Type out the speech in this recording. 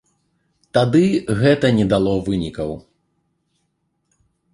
Тады гэта не дало вынікаў.